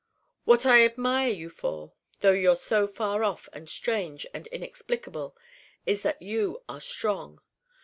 What I admire you for, though you're so far off and strange and inexplicable, is that you are strong.